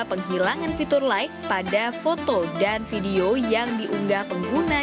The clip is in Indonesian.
penghilangan fitur like pada foto dan video yang diunggah pengguna